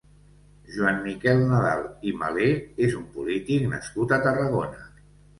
Joan Miquel Nadal i Malé és un polític nascut a Tarragona.